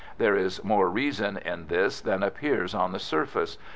There is more reason in this than appears on the surface.